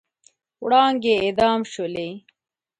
وړانګې اعدام شولې